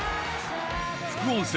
副音声